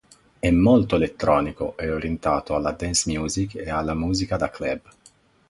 È molto elettronico e orientato alla dance music e alla musica da club.